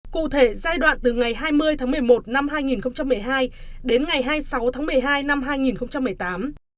cụ thể giai đoạn từ ngày hai mươi tháng một mươi một năm hai nghìn một mươi hai đến ngày hai mươi sáu tháng một mươi hai năm hai nghìn một mươi tám